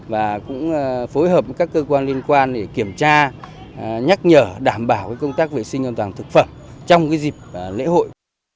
và cũng phối hợp với các cơ quan liên quan để kiểm tra nhắc nhở đảm bảo công tác vệ sinh an toàn thực phẩm trong dịp lễ hội